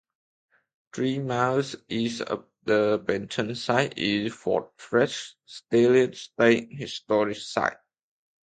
Three miles east of the Benton site is Fort Fred Steele State Historic Site.